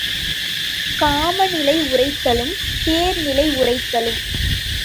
காமநிலை உரைத்தலும் தேர்நிலை உரைத்தலும்